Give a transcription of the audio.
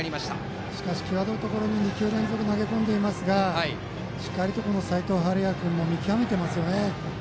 しかし、際どいところに２球連続投げましたがしっかりと齋藤敏哉君も見極めていますね。